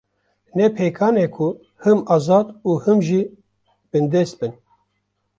Ne pêkan e ku him azad û him jî bindest bin